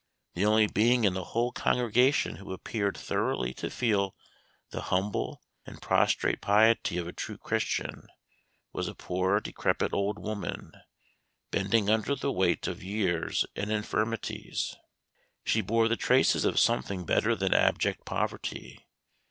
The only being in the whole congregation who appeared thoroughly to feel the humble and prostrate piety of a true Christian was a poor decrepit old woman, bending under the weight of years and infirmities. She bore the traces of something better than abject poverty.